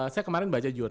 saya kemarin baca juga